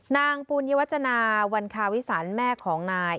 ปูนยวจนาวันคาวิสันแม่ของนาย